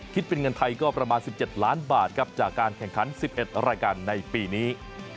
คิดเป็นเงินไทยก็ประมาณ๑๗ล้านบาทครับจากการแข่งขัน๑๑รายการในปีนี้